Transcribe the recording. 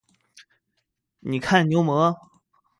你看牛魔？